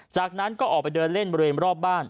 จากนั้นก็ออกไปเดินเล่นบริเวณรอบบ้าน